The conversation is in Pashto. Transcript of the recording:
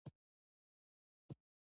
حاجي ګک کوتل په ژمي کې خلاص وي؟